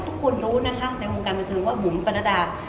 ทุกคนรู้นะคะในโรงการบันทึกว่าผมปรดดา